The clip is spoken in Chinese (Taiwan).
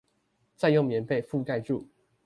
再用棉被覆蓋住